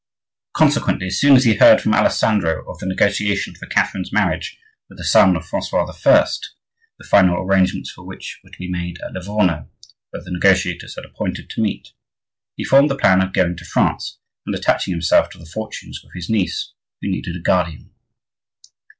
Consequently, as soon as he heard from Alessandro of the negotiation for Catherine's marriage with the son of Francois I., the final arrangements for which were to be made at Livorno, where the negotiators had appointed to meet, he formed the plan of going to France, and attaching himself to the fortunes of his niece, who needed a guardian.